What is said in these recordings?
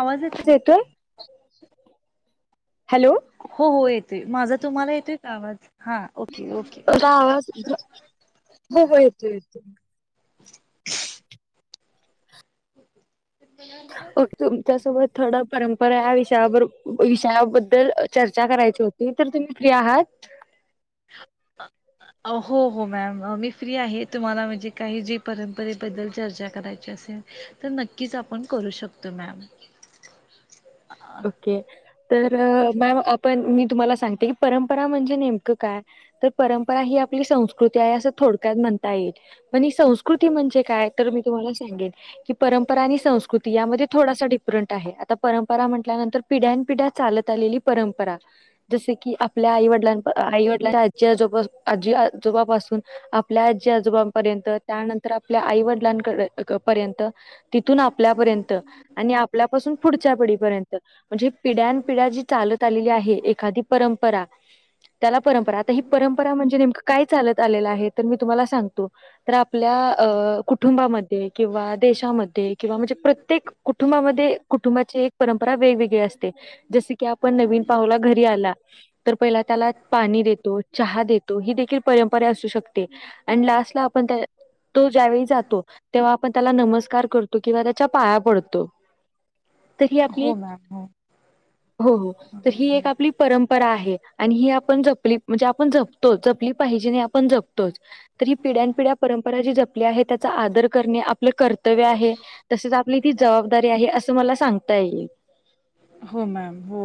आवाज येतलो येतोय हॅलो हो हो येत ते माझा तुम्हाला येतेय का आवाज हा ओके ओके. हो हो येतो येतो. ते [inaudible] तुमच्यासोबत थोड परंपरा या विषयावर विषयाबद्दल चर्चा करायची होती. त तृ तन फ्रियाात हा [inaudible] हो हो मॅम मी फ्री आहे तुम्हाला म्हणजे काही जी परंपरेबद्दल चर्चा करायची असेल तर नक्कीच आपण करू शकतो मॅम ओके तर मॅम आपण मी तुम्हाला सांगते की परंपरा म्हणजे नेमकं काय तर परंपरा ही आपली संस्कृती आहे असं थोडक्यात म्हणता येईल पण ही संस्कृती म्हणजे काय तर मी तुम्हाला सांगेन की परंपरा आणि संस्कृती यामध्ये थोडासा डिफरंट आहे आता परंपरा म्ह ंतर पिढ्या पिढ्या चालत आलेली परंपरा जस की आपल्या आईवडलां आईवडला आजी आजोबा आजी आजोबापासून आपल्या आजी आजोबांपर्यंत त्यानंतर आपल्या आई वडिलांकडे पर्यंत तिथून आपल्यापर्यंत आणि आपल्यापासून पुढच्या पिढीपर्यंत म्हणजे पिढ्यान पिढ्या जी चालत आलेली आहे एखादी परंपरा त्याला परंपरा आता ही परंपरा म्हणजे नेमकं काय चालत आलेलं आहे तर मी तुम्हाला सांगतो. तर आपल्या अ कुटुंबामध्ये किंवा देशामध्ये किंवा म्हणजे प्रत्येक कुटुंबामध्ये कुटुंबाचे वेगवेगळे असते जस की आपण नवीन पाहला घरी आला तर पहिला त्याला पाणी देतो चहा देतो ही देखील परंपरा असू शकते. लाट ला आप तो ज्याळी जातो तेव्हा आपण त्याला नमस्कार करतो. किंवा त्याच्या पाया पडतो. तर ही आपली हो मॅम हो हो हो तर ही एक आपली परंपरा आहे आणि ही आपण जपली म्हणजे आपण जपतो जपली पाहिजे नाही ण जपतोच ही पिढ्यापिढ्या परंपरा जी जपली आहे त्याचा आदर कर आपलं कर्तव्य आहे तसेच आपली ती जबाबदारी आहे असं मला सांगता येईल. हो मॅम हो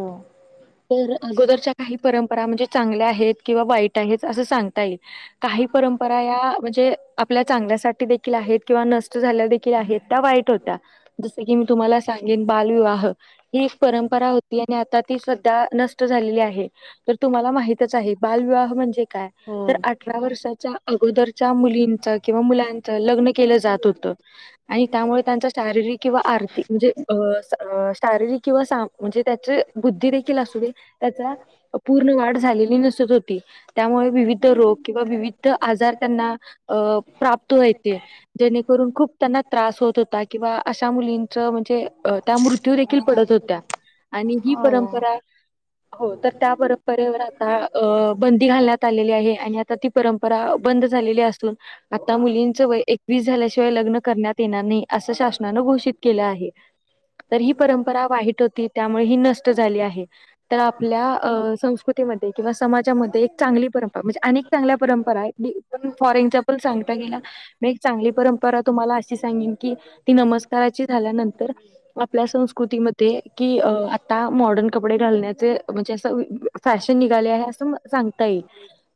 तर अगोदरच्या काही परंपरा म्हणजे चांगल्या आहेत किंवा वाईट आहेत असं सांगता येईल. काही परंपरा या म्हणजे आपल्या चांगल्यासाठी देखील आहेत किंवा नष्ट झाल्या देखील आहेत त्या वाईट ज की मी तुम्हाला सांगेन बालविवाह ह परंपरा होती आता ती सध्या नष्ट झालेली आहे तर तुम्हाला माहितच आहे बालविवाह म्हणजे काय हो. तर अठरा वर्षाच्या अगोदरच्या मुलींच किंवा मुलांच लग्न केलं जात होतं आणि त्यामुळे त्यांचा शारीरिक किंवा आर्थिक म्हणजे शारीरिक किंवा म्हणजे त्याचे बुद्धी देखील असू दे त्याचा पूर्ण वाढ झालेली नसत होती. त्यामुळे विविध रोग किंवा विविध आजार त्यांना अ प्राप्त व्हायचे. जेणेकरून खूप त्यांना त्रास होत होता किंवा मुलीं म्हणजे त्या मृत्यू देखील पडत होत्या आणि ही हो. परंपरा हो तर त्या बरोबरेवर आता बंदी घालण्यात आलेली आहे आणि आता ती परंपरा बंद झालेली असून आता मुलींच व वीज झाल्याशिवाय लग्न करण्यात येणार नाही असं शासनानं घोषित केलं आहे. तर ही परंपरा वाईट होती त्यामुळे ही नष्ट झाली आहे तर आपल्या संस्कृती किंवा समाजामध्ये एक चांगली परंपरा म्हणजे अक चांगल्या परंपरा आहे पण फॉर एक्झाम्पल सांगता गेला मी एक चांगली परंपरा तुम्हाला अशी सांगन की ती नमस्काराची झाल्यानंतर आपल्या संस्कृतीमध्ये कि आता मॉडर्न कपडे घालण्याचे म्हणजे असं फॅशन निघाले आहे असं सांगता येईल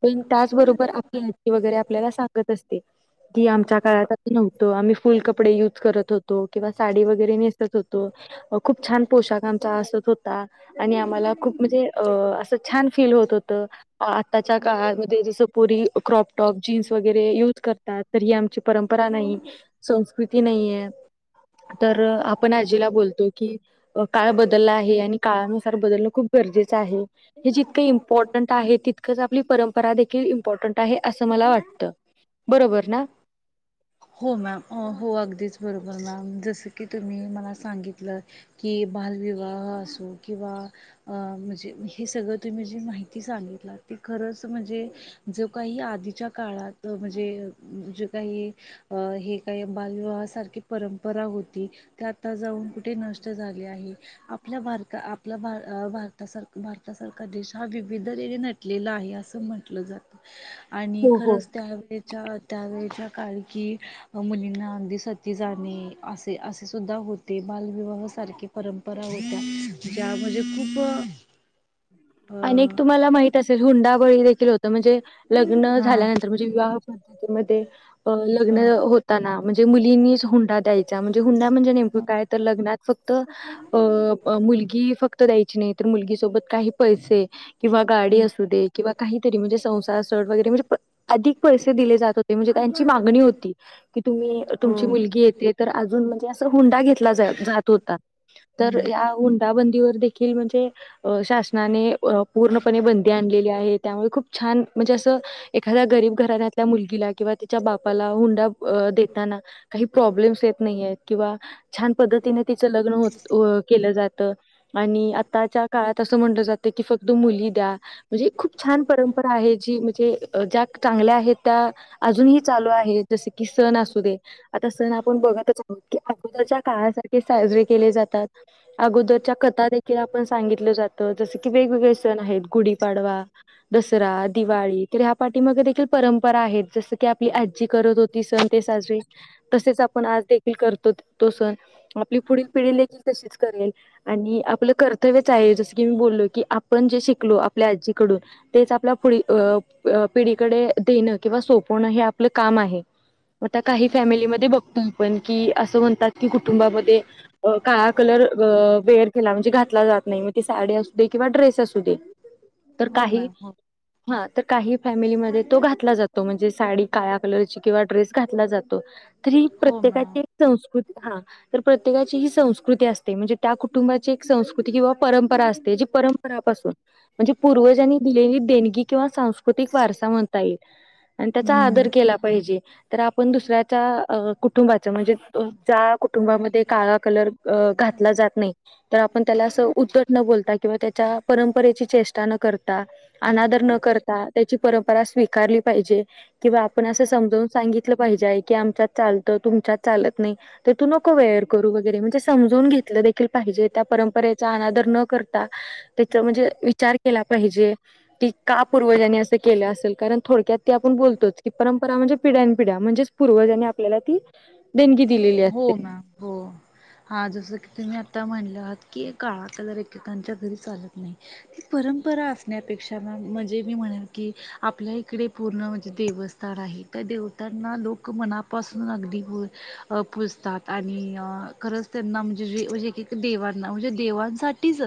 पण त्याचबरोबर आपली वगरे आपल्याला सांगत असते की आमच्या काळात नव्हतो आम्ही फुल कपडे युज करत होतो किंवा साडी वगैरे नेसत होतो खूप छान पोशाख आमचा असत होता आणि आम्हाला खूप म्हणजे अ असं छान फील होत होत आत्ताच्या काळामध्ये जसं पुरी क्रॉपटॉप जीन्स वगैरे युज करत ही आमची परंपरा नाही संस्कृती नाही आहे तर आपण आजीला बोलतो की काळ बदलला आहे आणि काळानुसार बदलणं खूप गरजेचं आहे हे जितकं इम्पॉर्टंट आहे तितकंच आपली परंपरा देखील इम्पॉर्टंट आहे असं मला वाटतं बरोबर ना हो मॅम हो अगदीच बरोबर मॅम जसं की तुम्ही मला सांगितलं कि बालविवाह असो किंवा अ म्हणजे हे सगळं तुम्ही जी माहिती सांगितला ती खरंच म्हणजे जो काही आधीच्या काळात म्हणजे जे काही हे काही बालविवाहासारखी परंपरा होती ते आता जाऊन कुठे नष्ट झाले आहे आपल्या भारता आपला भारतासार भारतासारखा देश हा विविध रेने नट घलेलं आहे असं म्हटलं जातं आणि हो हो खरंच त्यावेळेच्या त्यावेेळेच्या काळखी मुलींना अगदी सती जाणे असे असे सुद्धा होते बालविवाह सारखे परंपरा होत्या ज्यामध्येणज खूप अक अ तुम्हाला माहित असेल हुंडाबळी देखील हो म्हणजे लग्न हा झाल्यानंतर म्हणजे विवाह पद्धतीमध्ये लग्न हा म्हणजे मुलींच हुंडा द्यायचा णजे हुंड म्हणजे नेमक काय तर लग्नात फक्त अ मुलगी फक्त द्यायची नाही तर मुलगी सोबत काही पैसे किंवा गाडी असू दे किंवा काहीतरी म्हणजे संसार सर वगैरे म्हणजे अधिक पैसे दिले जात होते म्हणजे त्यांची मागणी होती कि तुम्ही हो तुमची मुलगी येते तर अजून म्हणजे असं हुंडा घेतला जात होता तर हम्म या हुंडाबंदीवर देखील म्हणजे शासनाने पूर्णपणे बंदी आणली आहे त्यामुळे खूप छान म्हणजे अस एखा्या गरीब घरल्या मुलीला किंवा बाला हुंड देना काही प्रॉब्लेमस येत नाहीय किंवा छान पद्धतीने तिच लग्न होत केलं जातं आणि आताच्या काळात असं म्हणलं जात की फक्त मुली द्या म्हणजे खूप छान परंपरा आहे जी म्हणजे ज्या चांगल्या आहेत त्या अजूनही चालू आहे जसे की सण असू दे आता अस ना आपण बघतच आहोत की अगोदरच्या काळाासारखे साजरे केले जातात अगोदरच्या कथा ि आपण सांगितलं जात जस की वेगवेगळे सण आहेत गुढीपाडवा दसरा दिवाळी तर ह्या पाठी मग देखील परंपरा आहेत जसं आपली आजजी करत होती सण ते साजरी तसेच आपण आज करतो तो सण आपली पुढील पिढी देखील तशीच करेल आणि आपलं कर्तव्यच आहे जसं की मी बोललो की आपण जे शिकलो आपल्या आजीकडून तेच आपल्या पुढ अ पिढीकडे देणं किंवा सोपवणं हे आपलं काम आहे आता काही फॅमिलीमध्ये बघतो आपण की असं म्हणतात की कुटुंबामध्ये अ काळा कलर अ वेअर केला म्हणजे घातला जात नाही म त साडी असू दे किंवा ड्रेस असू दे तर हो काही मॅम हो हा तर काही फॅमिलीमध्ये तो घातला जातो म्हणजे साडी काळ कलरची किंवा ड्रेस घातला जातो तरी हो मॅम प्रत्येकाचे संस्कृती हा तर प्रत्येकाची ही संस्कृती असते म्हणजे त्या कुटुंबाची एक संस्कृती किंवा परंपरा असते जी परंपरापासून म्हणजे पूर्वजांनी दिलेलीगी किंवा सांस्कृतिक वारसा म्हणता येईल आणि त्याचा हम्म आदर केला पाहिजे तर आपण दुसऱ्याच्या कुटुंबाचं म्हणजे ज्या कुटुंबामध्ये काळा कलर घातला जात नाही तर आपण त्याला असं ब कवा त्या परंपरेची चेा न करता अ कर त्याची परंपरा स्वीकारली पाहिजे किंवा आपण अस समजून सांगितलं पाहिजे की आमच्यात चालतं तुमच्यात चालत नाही ते तू नको वेअर करू वगैरे म्हणजे समजून घेतलं देखील पाहिजे त्या परंपरेचा अनादर न कर त्या म्हणजे विचार केला पाहिजे क का पूर्वजानी केलं असेल कारण थोडक्यात ती आपण बोलतोच की परंपरा म्हणजे पिढ्यान पिढ्या म्हणजे पूर्वजांनी आपल्याला ती देणगी दिलेली हो असते मॅम हो. हा जसं की तुम्ही आता म्हणलं आहात की काळा कलर एकेकांच्या घरी चालत नाही ही परंपरा असण्यापेक्षा म्हणजे मी म्हणेल की आपल्या इकडे पूर्ण म्हणजे देवस्थ आहे त्या देवतांना लोक मनापासून अगदी हो जतात आणि खरंच त्यांना म्हणजेे देवांना म्हणजे देवांसाठी ट इज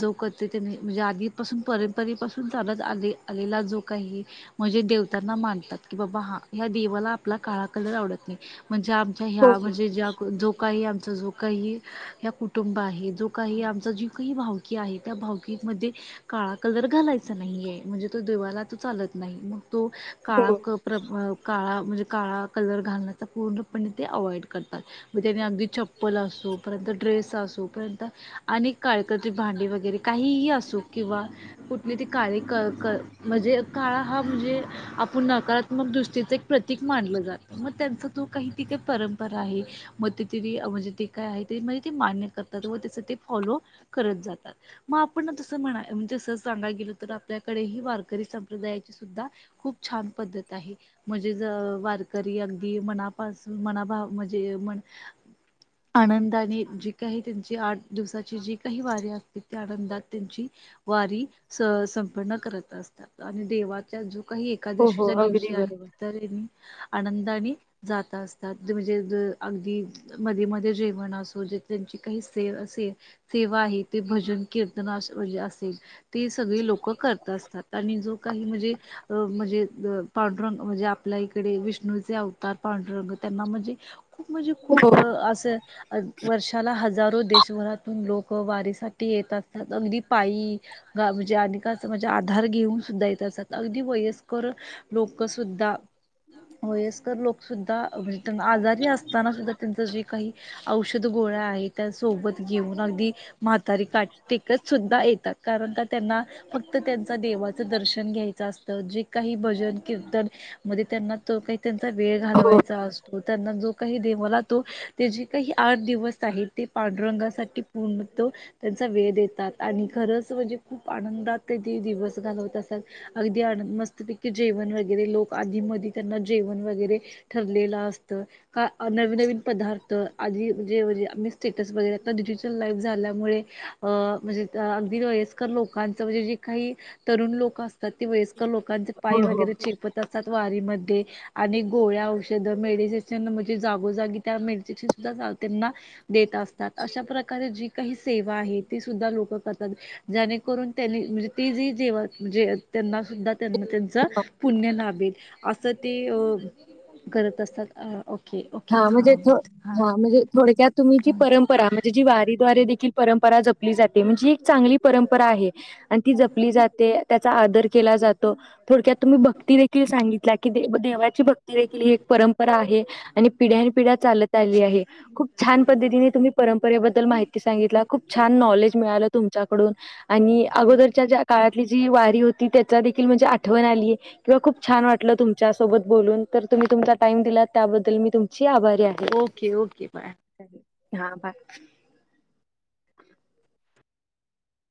जो करतेनी म्हणजे आधीपासून परंपरेपासून त्यालाच आले आलेला जो काही म्हणजे देवतांना मानतात की बाबा हा ह्या देवाला आपला काळा कलर आवडत नाही म्हणजे आमच्या हो ह्या हो म्हणजे ज्या जो काही आमचा जो काही ह कुटुंब आहे जो काही आमचा जीव काही वाव की आहे त्या भावकीिकमध्ये काळा कलर घालायचा नाहीये म्हणजे तो देवाला त चालत नाही मग तो काळा हो क प्र काळा म्हणजे काळा कलर घालण्याचा पूर्णपणे ते अवॉइड करतात मग त्याने अगदी चप्पल असो पर्यंत ड्रेस असो पर्यंत अनेक काय करी भांडी वगैरे काहीही असो किंवा कुठली त काळी म्हणजे काळा हा म्हणजे आपण नकार मग दुसरीचं एक प्रतीक मानलं जातं मग त्यांचं तू काही ती काही परंपरा आहे मग तेिथरी म्हणजे ते काय आहे त म्हणजे ते मान्य करतात व त्याचं ते फॉलो करत जातात मग आपण तसं म्हणा जस सांगा गेल तर आपल्याकडे ह वारकरी संप्रदायाची सुद्धा खूप छान पद्धत आहे म्हणजे वारकरी अगदी मना पा मनाभ म्हणजे म ह आनंदाने जी काही त्यांची आठ दिवसाची जी काही वारी असते ती आनंदात त्यांची वारी संपन्न करत असतात आणि देवाचा जो काही हो हो एकादशीच्या अगदी दिवशी आहे बरोबर तर आनंद आणि जाता असतात म्हणजे अगदी मध्ये मध्ये जेवण असो जे त्यांची काही से असेल सेवा आहे ते भजन कीर्तनाश वजे असेल तेी सगळी लोकं करत असतात आणि जो काही म्हणजे म्हणजे पांडुरंग म्हणजे आपल्या इकडे विष्णूचे आ तार पांढुरंग त्यांना म्हणजे खूप म्हणजे हो खूप असं वर्षाला हजारो देशभरातून लोक वारीसाठी येत असतात अगदी पायी ग म्हणजे अ का असं माणझे आधार घेऊन सुद्धा येत असतात अगदी वयस्कर लोक सुुद्धा होय तर लोकसुद्धा म्हणजे त्यांना आजारी असताना सुुद्धा त्यांचं जे काही औषध गोळ्या आहे त्या सोबत घेऊन अगदी म्हातारी का टिकत सुद्धा येतात कारण का त्यांना फक्त त्यांचा देवाचं दर्शन घ्यायचं असतं जे काही भजन कीर्तन मध्ये त्यांना तो काही त्यांचा वेळ हो घालवायचा असतो त्यांना जो काही दे मला तो ते जे काही आठ दिवस आहेत ते पांडुरंगासाठी पूर्णत त्यांचा वेळ देतात आणि खरंच म्हणजे खूप आनंदात दिवस घालवत असल अगदी मस्तपैकी जेवन वगैरे लोक आधी मध त्यां जेवण वगैरे ठरलेलं असत हा नवी नवीन पदार्थ तर आधी म्हणजे म्हणजे आम्ही स्टेटस वगैरे आता डिजिटल लाईफ झाल्यामुळे अ म्हणजे अगदी वेळेस लोकांच म्हणजे जे काही तरुण लोक असतात ते वयस्कर लोकांचे पाय हो हो वगैरे चत त सत वारीमध्ये आणि गोळ्या औषध मेडिसेशन म्हणजे जागोजागी त्या मेडिसेशन सुद्धा त्यांना देत असतात अशा प्रकारे जी काही सेवा आहे ती सुद्धा लोक करतात जेणेकरून त्यांनी म्हणजे ते जी जेवतजे त्यांना सुद्धा त्यांना त्यांच पुण्य लाभेल असं ते अ करत असतात अ ओके ओके हा म्हणजे हां हां हा म्हणजे थोडक्यात तुम्ही जी परंपरा म्हणजे जी वारीद्वारे देखील परंपरा जप ली जाते म्हणजे एक चांगली परंपरा आहे आणि ती जपली जाते त्याचा आदर केला जातो थोडक्यात तुम्ही भक्ती देेखील सांगितला की देवाची भक्ती देखील ही एक परंपरा आहे आणि पिढ्यान पिढ्या चालत आली आहे खूप छान पद्धतीने तुम्ही परंपरेबद्दल माहिती सांगितला खूप छान नॉलेज मिळालं तुमच्याकडून आणि अगोदरच्या काळातली जी वारी होती त्याचा देखील म्हणजे आठवण आली आहे किंवा खूप छान वाटलं तुमच्यासोबत बोलून तर तुम्ही तुमचा टाईम दिलात त्याबद्दल मी तुमची आभारी आहे ओके ओके बाय हा बाय